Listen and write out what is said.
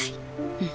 うん。